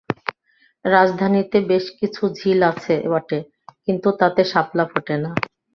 রাজধানীতে বেশ কিছু ঝিল আছে বটে, কিন্তু তাতে শাপলা ফোটে না।